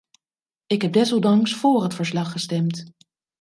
Ik heb desondanks voor het verslag gestemd.